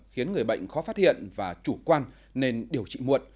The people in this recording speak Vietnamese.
khiến người bệnh khó phát hiện và chủ quan nên điều trị muộn